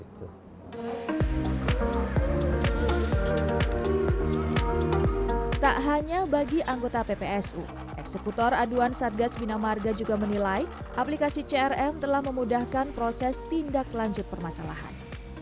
tak hanya bagi anggota ppsu eksekutor aduan satgas bina marga juga menilai aplikasi crm telah memudahkan proses tindak lanjut permasalahan